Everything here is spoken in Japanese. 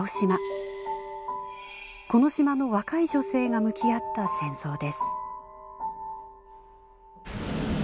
この島の若い女性が向き合った戦争です。